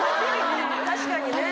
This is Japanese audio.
確かにね